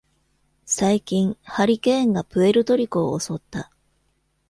最近、ハリケーンがプエルトリコを襲った。